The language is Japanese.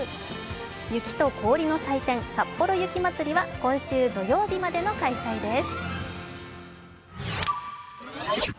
雪と氷の祭典、さっぽろ雪まつりは今週土曜日までの開催です。